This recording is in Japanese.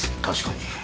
確かに。